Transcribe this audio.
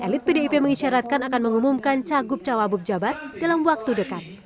elit pdip mengisyaratkan akan mengumumkan cagup cawabuk jabat dalam waktu dekat